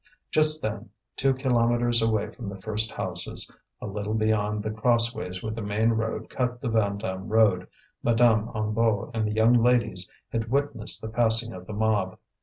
Just then, two kilometres away from the first houses, a little beyond the crossways where the main road cut the Vandame road, Madame Hennebeau and the young ladies had witnessed the passing of the mob.